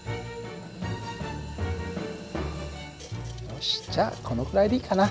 よしじゃあこのくらいでいいかな。